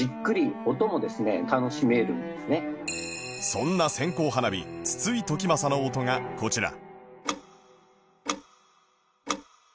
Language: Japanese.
そんな「線香花火筒井時正」の音がこちら